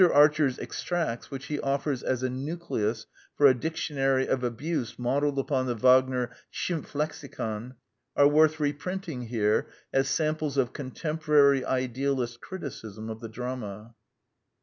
Archer's extracts, which he offers as a nucleus for a Dictionary of Abuse modelled upon the Wagner Schimpf Lexicon, are worth reprinting here as samples of contemporary idealist criticism of the drama.